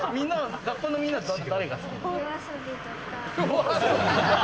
学校のみんなは誰が好き？